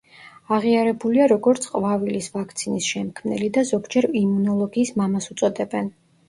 აღიარებულია, როგორც ყვავილის ვაქცინის შემქმნელი და ზოგჯერ „იმუნოლოგიის მამას“ უწოდებენ.